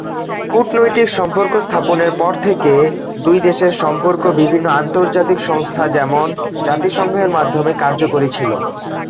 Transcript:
কূটনৈতিক সম্পর্ক স্থাপনের পর থেকে, দুই দেশের সম্পর্ক বিভিন্ন আন্তর্জাতিক সংস্থা যেমন; জাতিসংঘ এর মাধ্যমে কার্যকরী ছিল।